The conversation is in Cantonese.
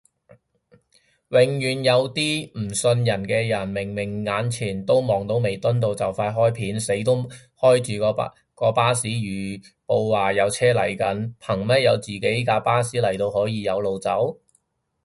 永遠有啲唔信人嘅人，明明眼前都望到彌敦道就快開片，死都要開住個巴士預報話有車嚟緊，憑咩有自信架巴士嚟到可以有路走？